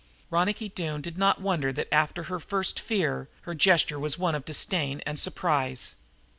Ronicky Doone did not wonder that, after her first fear, her gesture was one of disdain and surprise.